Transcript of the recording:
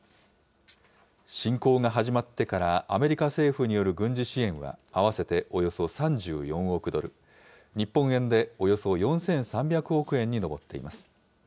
侵攻が始まってからアメリカ政府による軍事支援は合わせておよそ３４億ドル、日本円でおよそ４３００億円に上っています。